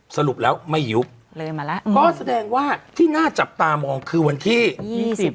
สรุปแล้วไม่ยุบเลยมาแล้วก็แสดงว่าที่น่าจับตามองคือวันที่ยี่สิบ